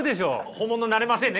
本物になれませんね